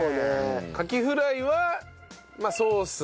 カキフライはまあソース？